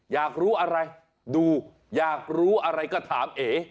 อยากรู้อะไรดูอยากรู้อะไรก็ถามเอ๋